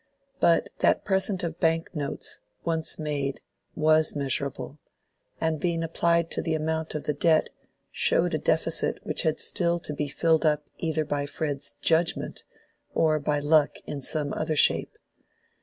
But that present of bank notes, once made, was measurable, and being applied to the amount of the debt, showed a deficit which had still to be filled up either by Fred's "judgment" or by luck in some other shape.